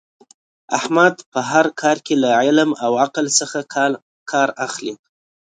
احمد په هر کار کې له علم او عقل څخه کار اخلي.